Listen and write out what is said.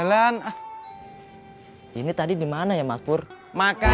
jual itu aja ya mainnya sama saya aja ya enak aja papa selagi mainkang